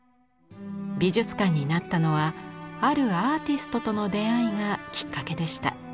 美術館になったのはあるアーティストとの出会いがきっかけでした。